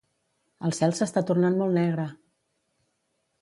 El cel s'està tornant molt negre!